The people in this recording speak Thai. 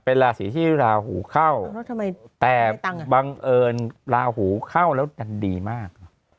เป็นราศีที่ราหูเข้าแต่บังเอิญลาหูเข้าแล้วดันดีมาก